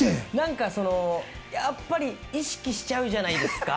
やっぱり意識しちゃうじゃないですか。